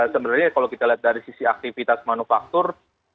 sebenarnya kalau kita lihat dari sisi aktivitas manufaktur